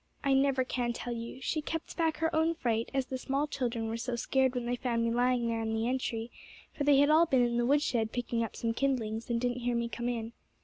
I never can tell you. She kept back her own fright, as the small children were so scared when they found me lying there in the entry, for they had all been in the woodshed picking up some kindlings, and didn't hear me come in.